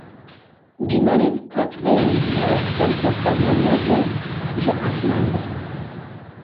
Dîmenên Akrêya Paytexta Newrozê ji esman ve.